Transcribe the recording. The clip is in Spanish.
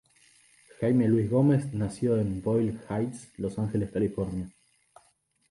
Jaime Luis Gómez nació en Boyle Heights, Los Ángeles, California.